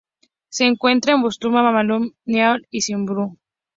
Se encuentra en Botsuana Malaui, Namibia y Zimbabue.